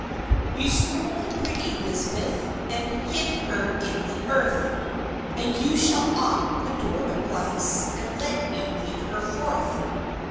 "You stole my pretty Lisbeth, and hid her in the earth; And you shall ope the door of glass and let me lead her forth."